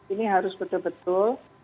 ini harus betul betul